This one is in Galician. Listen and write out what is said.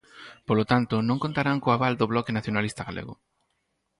Polo tanto, non contarán co aval do Bloque Nacionalista Galego.